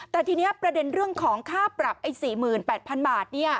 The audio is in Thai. แต่ทีนี้ประเด็นเรื่องของค่าปรับ๔๘๐๐๐บาท